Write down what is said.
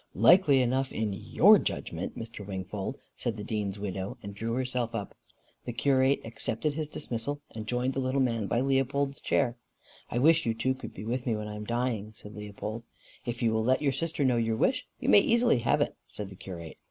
"Likely enough, in YOUR judgment, Mr. Wingfold," said the dean's widow, and drew herself up. The curate accepted his dismissal, and joined the little man by Leopold's chair. "I wish you two could be with me when I am dying," said Leopold. "If you will let your sister know your wish, you may easily have it," said the curate.